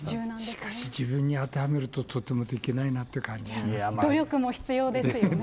しかし、自分に当てはめると、とてもできないなっていう感じしますね。